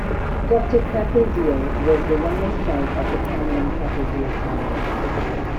Doctor Capildeo was the youngest child of the prominent Capildeo family.